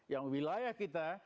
yang wilayah kita